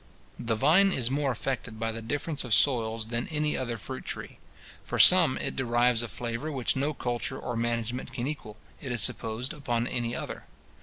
The vine is more affected by the difference of soils than any other fruit tree. From some it derives a flavour which no culture or management can equal, it is supposed, upon any other.